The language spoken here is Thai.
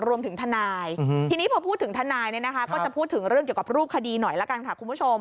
ทนายทีนี้พอพูดถึงทนายเนี่ยนะคะก็จะพูดถึงเรื่องเกี่ยวกับรูปคดีหน่อยละกันค่ะคุณผู้ชม